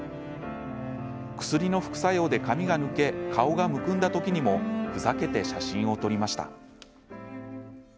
薬の副作用で髪が抜け顔がむくんだ時にもふざけて写真を撮りました。